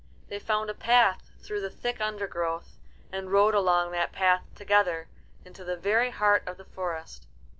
They found a path through the thick undergrowth, and rode along that path together into the very heart of the forest.